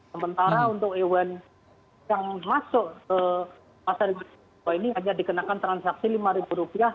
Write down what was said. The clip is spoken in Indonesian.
sementara untuk hewan yang masuk ke pasar hewan ambarawa ini hanya dikenakan transaksi lima ribu rupiah